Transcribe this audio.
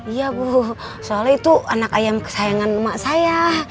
iya bu soalnya itu anak ayam kesayangan emak saya